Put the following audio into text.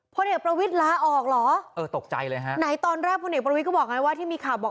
พลเอกประวิทย์ลาออกเหรอเออตกใจเลยฮะไหนตอนแรกพลเอกประวิทย์ก็บอกไงว่าที่มีข่าวบอก